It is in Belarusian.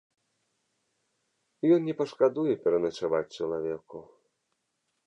Ён не пашкадуе пераначаваць чалавеку.